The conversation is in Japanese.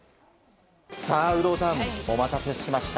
有働さん、お待たせしました。